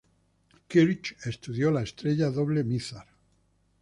Kirch Estudió la estrella doble Mizar.